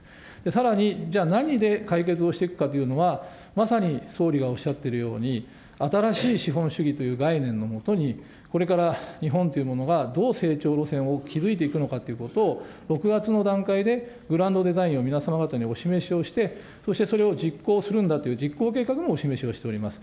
さらに、じゃあ何で解決をしていくかというのは、まさに総理がおっしゃっているように新しい資本主義という概念の下に、これから日本というものがどう成長路線を築いていくのかということを６月の段階でグランドデザインを皆様方にお示しをして、そしてそれを実行するんだという実行計画もお示しをしております。